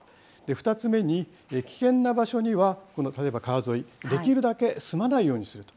２つ目に、危険な場所には、例えば川沿い、できるだけ住まないようにする。